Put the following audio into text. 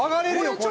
これ。